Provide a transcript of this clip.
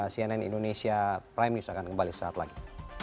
cnn indonesia prime news akan kembali sesaat lagi